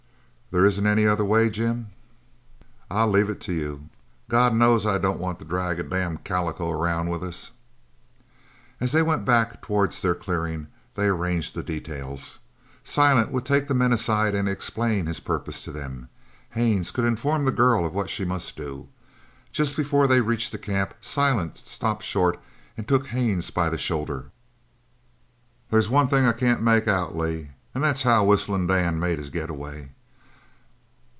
"There isn't any other way, Jim?" "I leave it to you. God knows I don't want to drag any damn calico aroun' with us." As they went back towards their clearing they arranged the details. Silent would take the men aside and explain his purpose to them. Haines could inform the girl of what she must do. Just before they reached the camp Silent stopped short and took Haines by the shoulder. "They's one thing I can't make out, Lee, an' that's how Whistlin' Dan made his getaway.